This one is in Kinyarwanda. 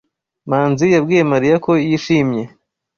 Manzi yabwiye Mariya ko yishimye.